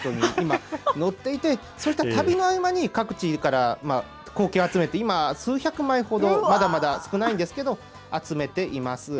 私はこれまでＪＲの全路線の９６％に、今、乗っていて、そうした旅の合間に各地から硬券を集めて、今、数百枚ほど、まだまだ少ないんですけど、集めています。